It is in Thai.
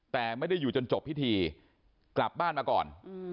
แต่ไม่ได้อยู่จนจบพิธีกลับบ้านมาก่อน